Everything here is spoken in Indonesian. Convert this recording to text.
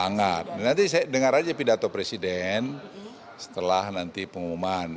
sangat nanti saya dengar aja pidato presiden setelah nanti pengumuman